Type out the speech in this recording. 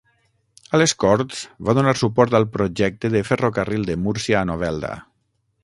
A les corts va donar suport al projecte de Ferrocarril de Múrcia a Novelda.